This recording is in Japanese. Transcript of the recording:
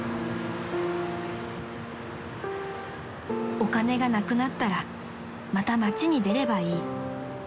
［お金がなくなったらまた街に出ればいい］